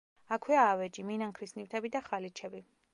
აქვეა ავეჯი, მინანქრის ნივთები და ხალიჩები.